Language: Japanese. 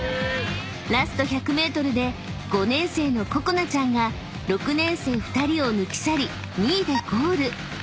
［ラスト１００ｍで５年生のここなちゃんが６年生２人を抜き去り２位でゴール］